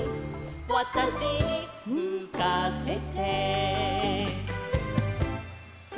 「わたしにむかせて」